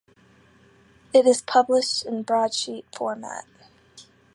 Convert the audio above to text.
It is published in broadsheet format.